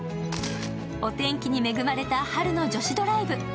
お天気に恵まれた春の女子ドライブ。